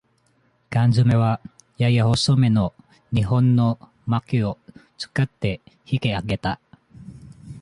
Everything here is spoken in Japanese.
かん詰めは、やや細めの二本のまきを使って引きあげた。